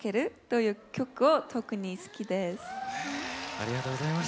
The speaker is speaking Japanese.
ありがとうございます。